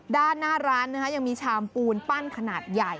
ด้านหน้าร้านยังมีชามปูนปั้นขนาดใหญ่